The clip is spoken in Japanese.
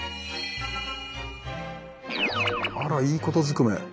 あらいいことずくめ！